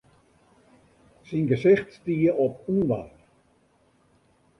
Syn gesicht stie op ûnwaar.